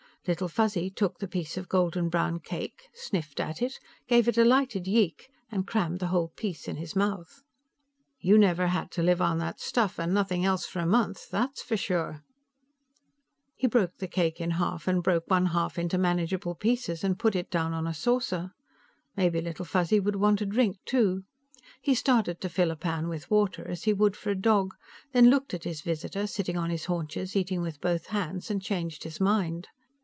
Little Fuzzy took the piece of golden brown cake, sniffed at it, gave a delighted yeek and crammed the whole piece in his mouth. "You never had to live on that stuff and nothing else for a month, that's for sure!" He broke the cake in half and broke one half into manageable pieces and put it down on a saucer. Maybe Little Fuzzy would want a drink, too. He started to fill a pan with water, as he would for a dog, then looked at his visitor sitting on his haunches eating with both hands and changed his mind.